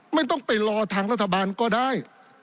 ไม่ต้องไปรอทางรัฐบาลก็ได้